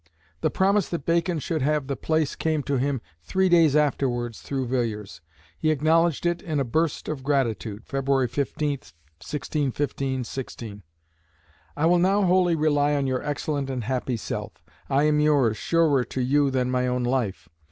The promise that Bacon should have the place came to him three days afterwards through Villiers. He acknowledged it in a burst of gratitude (Feb. 15, 1615/16). "I will now wholly rely on your excellent and happy self.... I am yours surer to you than my own life.